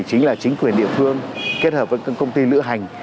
chính là chính quyền địa phương kết hợp với công ty lựa hành